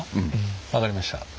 分かりました。